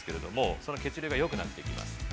その血流がよくなっていきます。